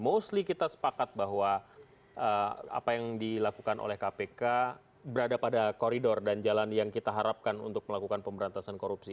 mostly kita sepakat bahwa apa yang dilakukan oleh kpk berada pada koridor dan jalan yang kita harapkan untuk melakukan pemberantasan korupsi